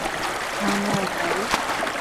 থামো, ভাই!